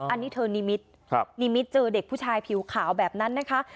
อันนี้เธอนิมิตรนิมิตเจอเด็กผู้ชายผิวขาวแบบนั้นนะคะ